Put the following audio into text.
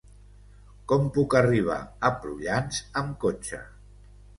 Com puc arribar a Prullans amb cotxe?